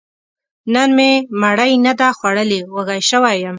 نن مې مړۍ نه ده خوړلې، وږی شوی يم